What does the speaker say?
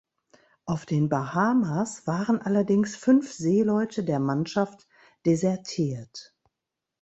Auf den Bahamas waren allerdings fünf Seeleute der Mannschaft desertiert.